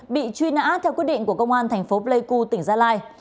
bị truy nã theo quyết định của công an thành phố pleiku tỉnh gia lai